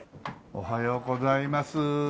おはようございます。